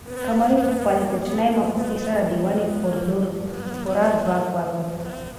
قمرۍ په خپلې کوچنۍ مښوکې سره د ونې پر لور په پوره ځواک والوته.